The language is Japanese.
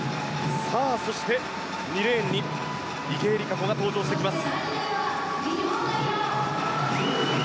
そして、２レーンに池江璃花子が登場してきます。